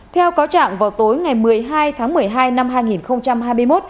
theo cáo trạng vào tối ngày một mươi hai tháng một mươi hai năm hai nghìn hai mươi một